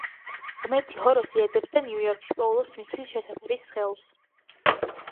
ღმერთი ჰოროსი ეძებს და ნიუ-იორკში პოულობს მისთვის შესაფერის სხეულს.